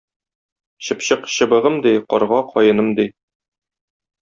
Чыпчык чыбыгым, ди, карга каеным, ди.